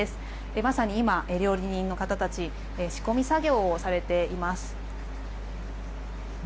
まさに今、料理人の方たち仕込み作業をされています。